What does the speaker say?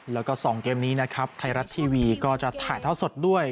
แล้วก็๒เกมนี้นะครับไทยรัฐทีวีก็จะถ่ายเท่าสดด้วย